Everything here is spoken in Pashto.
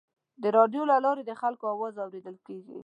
د راډیو له لارې د خلکو اواز اورېدل کېږي.